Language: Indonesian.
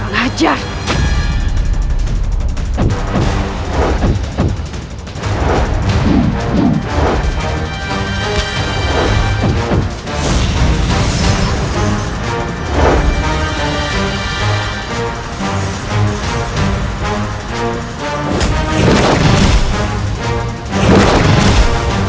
kau tidak perlu menghajar